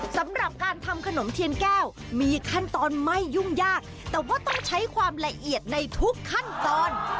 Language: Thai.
สำหรับการทำขนมเทียนแก้วมีขั้นตอนไม่ยุ่งยากแต่ว่าต้องใช้ความละเอียดในทุกขั้นตอน